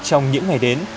trong những ngày đến